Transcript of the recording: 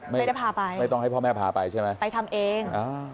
ไม่ได้พาไปไม่ต้องให้พ่อแม่พาไปใช่ไหมไปทำเองอ่า